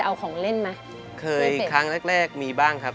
ทั้งครั้งแรกมีบ้างครับ